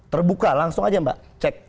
terbuka langsung aja mbak cek